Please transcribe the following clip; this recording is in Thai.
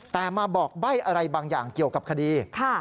แต่มาบอกใบ้อะไรบางอย่างเกี่ยวกับคดี